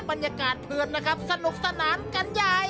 บรรยากาศเพื่อนนะครับสนุกสนานกันยาย